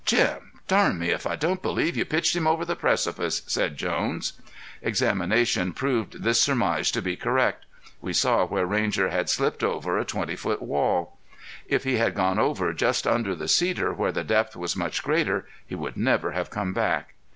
"Jim, darn me, if I don't believe you pitched him over the precipice!" said Jones. Examination proved this surmise to be correct. We saw where Ranger had slipped over a twenty foot wall. If he had gone over just under the cedar where the depth was much greater he would never have come back.